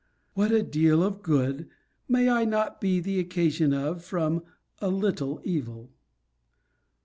What a deal of good may I not be the occasion of from a little evil!